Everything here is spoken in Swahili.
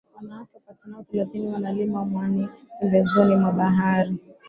Wanawake wapatao thelathini wanalima mwani pembezoni mwa bahari